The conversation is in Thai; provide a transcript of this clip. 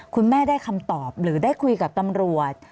คุณแม่ได้คำตอบหรือได้คุยกับตำรวจ